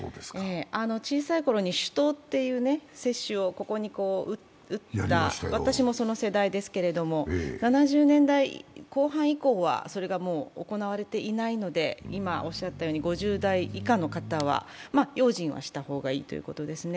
小さいころに種痘という接種を打った私もその世代ですけれども、７０年代後半以降はそれがもう行われていないので、今、５０代以下の方は用心はした方がいいということですね。